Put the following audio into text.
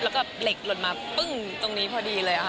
แล้วก็เหล็กหล่นมาปึ้งตรงนี้พอดีเลยค่ะ